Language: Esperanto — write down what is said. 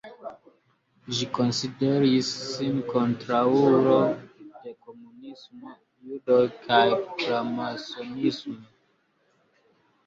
Ĝi konsideris sin kontraŭulo de komunismo, judoj kaj framasonismo.